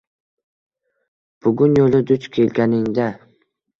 Bugun yo’lda duch kelganingda